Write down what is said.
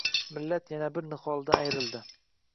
«Millat yana bir niholidan ayrildi.